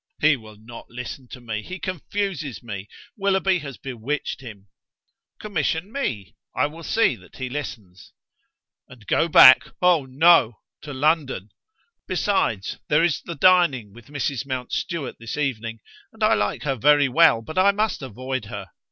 "He will not listen to me. He confuses me; Willoughby has bewitched him." "Commission me: I will see that he listens." "And go back? Oh, no! To London! Besides, there is the dining with Mrs. Mountstuart this evening; and I like her very well, but I must avoid her.